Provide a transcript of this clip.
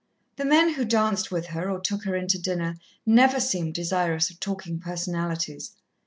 The men who danced with her or took her in to dinner never seemed desirous of talking personalities.